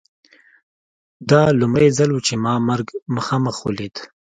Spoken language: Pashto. دا لومړی ځل و چې ما مرګ مخامخ ولید